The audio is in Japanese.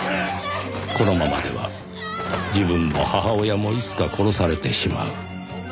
このままでは自分も母親もいつか殺されてしまう。